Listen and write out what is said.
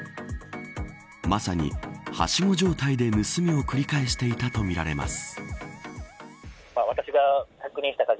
まさにはしご状態で盗みを繰り返していたとみられます。